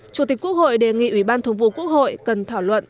chủ tịch quốc hội đề nghị ủy ban thường vụ quốc hội cần thảo luận